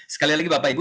sekali lagi bapak ibu